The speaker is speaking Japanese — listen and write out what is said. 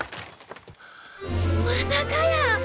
まさかやー！